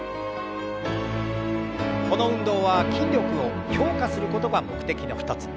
この運動は筋力を強化することが目的の一つ。